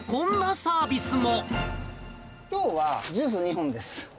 きょうはジュース２本です。